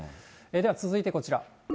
では続いてこちら。